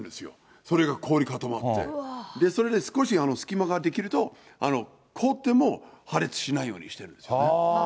それが氷固まって、それで少し隙間が出来ると、凍っても破裂しないようにしてるんですよね。